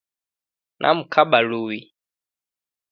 Namkaba luwi